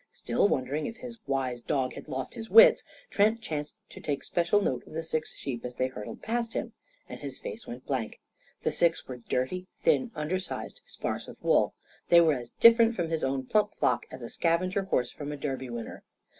Still wondering if his wise dog had lost his wits, Trent chanced to take special note of the six sheep as they hurtled past him. And his face went blank. The six were dirty, thin, undersized, sparse of wool. They were as different from his own plump flock as a scavenger horse from a Derby winner.